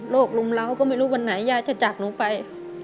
รุมร้าวก็ไม่รู้วันไหนยายจะจากหนูไป